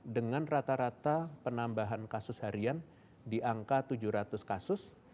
dengan rata rata penambahan kasus harian di angka tujuh ratus kasus